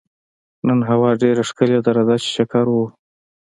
نن هوا ډېره ښکلې ده، راځه چې چکر ووهو.